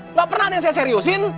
enggak pernah nih saya seriusin